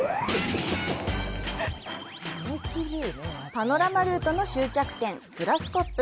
パノラマルートの終着点フラスコップ。